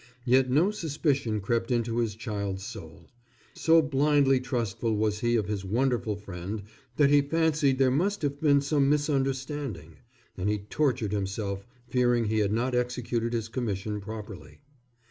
Yet no suspicion crept into his child's soul. So blindly trustful was he of his wonderful friend that he fancied there must have been some misunderstanding, and he tortured himself fearing he had not executed his commission properly.